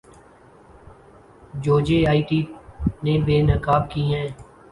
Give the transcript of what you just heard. جو J I T نے بے نقاب کی ہیں